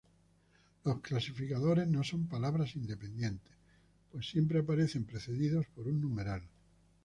Los clasificadores no son palabras independientes, pues siempre aparecen precedidos por un numeral.